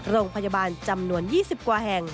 โรงพยาบาลจำนวน๒๐กว่าแห่ง